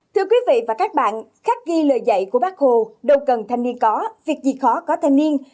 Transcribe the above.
thưa quý vị và các bạn khắc ghi lời dạy của bác hồ đâu cần thanh niên có việc gì khó có thanh niên